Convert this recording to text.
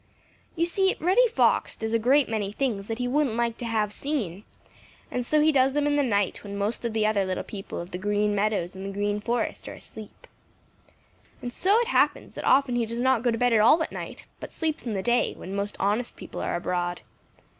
You see, Reddy Fox does a great many things that he wouldn't like to have seen, and so he does them in the night when most of the other little people of the Green Meadows and the Green Forest are asleep. And so it happens that often he does not go to bed at all at night, but sleeps in the day, when most honest people are abroad.